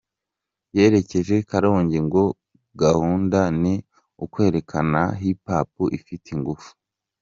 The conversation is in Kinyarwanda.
Yerekeje Karongi ngo gahunda ni ukwerekana ko Hip Hop ifite ingufu.